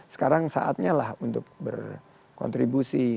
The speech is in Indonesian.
sekarang saatnya lah untuk berkontribusi